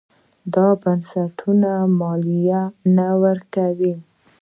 دا بنسټونه مالیه نه ورکوي.